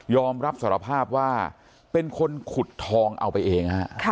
อมรับสารภาพว่าเป็นคนขุดทองเอาไปเองฮะ